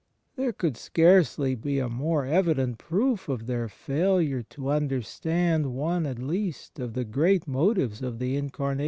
There could scarcely be a more evident proof of their failure to imder stand one at least of the great motive^ of the Incarnation.